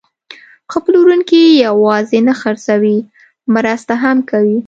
ښه پلورونکی یوازې نه خرڅوي، مرسته هم کوي.